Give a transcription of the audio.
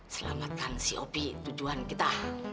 selamatkan si opi tujuan kita